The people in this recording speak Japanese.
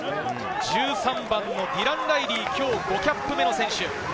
１３番のディラン・ライリー、今日５キャップ目の選手。